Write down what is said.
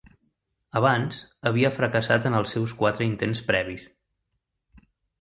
Abans, havia fracassat en els seus quatre intents previs.